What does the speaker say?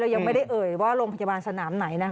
ยังไม่ได้เอ่ยว่าโรงพยาบาลสนามไหน